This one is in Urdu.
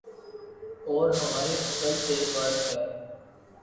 اور ہماری عقل سے بڑھ کر